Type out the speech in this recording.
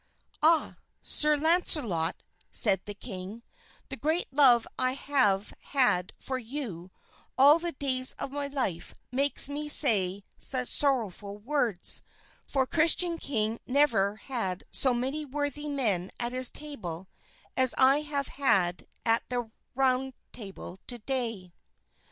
"Ah, Sir Launcelot," said the king, "the great love I have had for you all the days of my life makes me say such sorrowful words; for Christian king never had so many worthy men at his table as I have had at the Round Table to day."